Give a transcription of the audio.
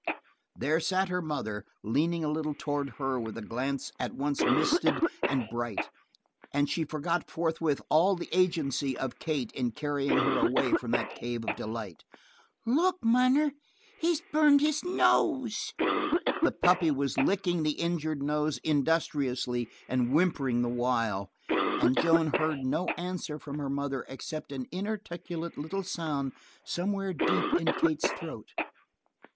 There sat her mother, leaning a little toward her with a glance at once misted and bright, and she forgot forthwith all the agency of Kate in carrying her away from that cave of delight. "Look, munner! He's burned his nose!" The puppy was licking the injured nose industriously and whimpering the while. And Joan heard no answer from her mother except an inarticulate little sound somewhere deep in Kate's throat.